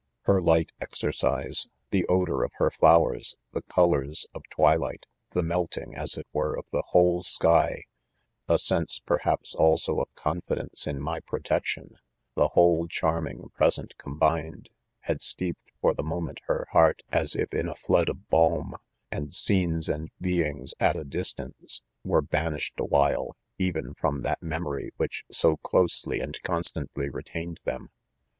Her light exer cise ;— the odor of heir flowers ;— the colors of twilight ;— the malting, as it were, of the whole sky j — a sense, perhaps, also of confidence in my protection j — the whole charming present combined, had steeped for the moment her heart, as if in a flood of balm ; and scenes and beings at a distance, were banished awhile, even from that memory which so closely and constantly retained them.